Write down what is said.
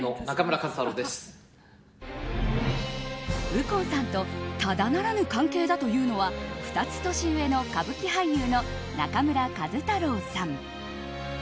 右近さんとただならぬ関係だというのは２つ年上の歌舞伎俳優の中村壱太郎さん。